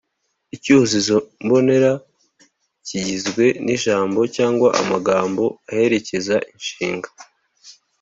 icyuzuzo mbonera kigizwe n’ijambo cyangwa amagambo aherekeza inshinga